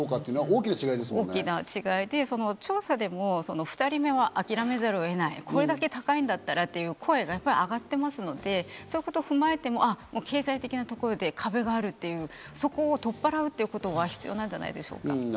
大きな違いで、調査でも２人目は諦めざるを得ない、これだけ高いんだったらという声が上がっていますので、そういうことを踏まえても経済的なところで壁がある、そこを取っ払うということが必要なんじゃないでしょうか。